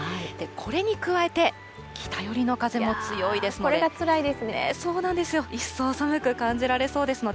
これに加えて北寄りの風も強いですので。